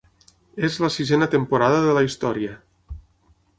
És la sisena temporada de la història.